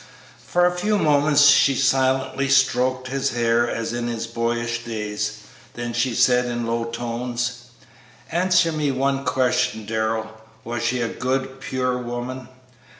For a few moments she silently stroked his hair as in his boyish days; then she said, in low tones, "Answer me one question, Darrell: Was she a good, pure woman?"